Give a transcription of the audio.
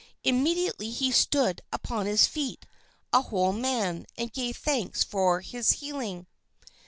Immediately he stood upon his feet a whole man, and gave thanks for his healing.